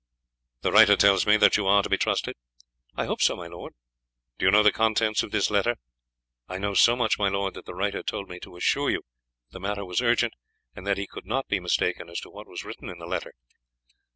"The writer tells me that you are to be trusted?" "I hope so, my lord." "Do you know the contents of this letter?" "I know so much, my lord, that the writer told me to assure you that the matter was urgent, and that he could not be mistaken as to what was written in the letter."